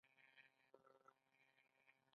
دوی په دار وځړول شول.